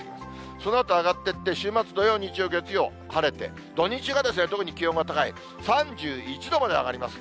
そのあと上がってって、週末、土曜、日曜、月曜、晴れて、土日が特に気温が高い、３１度まで上がります。